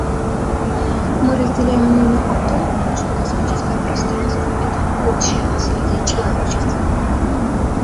Мы разделяем мнение о том, что космическое пространство − это общее наследие человечества.